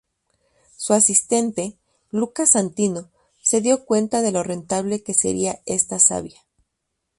Su asistente, Lucas Santino, se dio cuenta de lo rentable que sería esta savia.